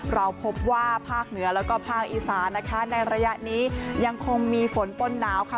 เราพบว่าภาคเหนือแล้วก็ภาคอีสานนะคะในระยะนี้ยังคงมีฝนป้นหนาวค่ะ